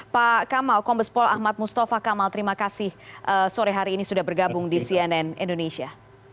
pak kamal kombespol ahmad mustafa kamal terima kasih sore hari ini sudah bergabung di cnn indonesia